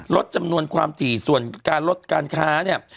ลดจำนวนความถี่ส่วนการลดการค้าเนี่ย